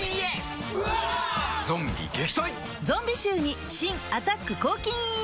ゾンビ臭に新「アタック抗菌ＥＸ」